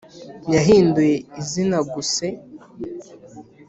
Yahinduye izina guse